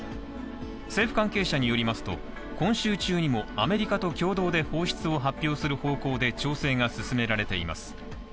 政府関係者によりますと、今週中にも、アメリカと共同で放出を発表する方向で調整が進められています。